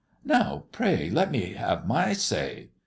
"Now pray let me have my say."